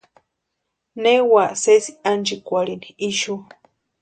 Ne úa sési ánchikwarhini ixu.